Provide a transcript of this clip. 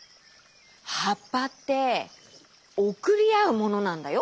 はっぱっておくりあうものなんだよ！